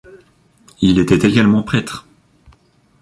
Il était également prêtre.